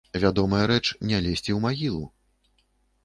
Вядомая рэч, не лезці ў магілу.